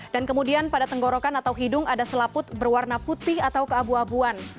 dan kemudian pada tenggorokan atau hidung ada selaput berwarna putih atau keabu abuan